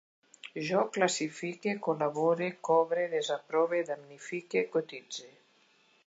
Jo classifique, col·labore, cobre, desaprove, damnifique, cotitze